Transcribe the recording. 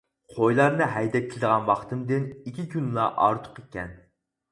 قويلارنى ھەيدەپ كېلىدىغان ۋاقتىمدىن ئىككى كۈنلا ئارتۇق ئىكەن.